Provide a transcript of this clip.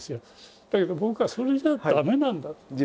だけど僕はそれじゃ駄目なんだと。